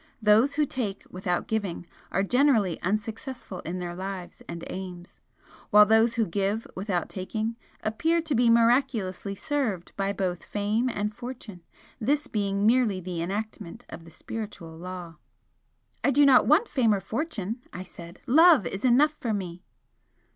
Those who take without giving are generally unsuccessful in their lives and aims while those who give without taking appear to be miraculously served by both fame and fortune, this being merely the enactment of the spiritual law." "I do not want fame or fortune," I said "Love is enough for me!"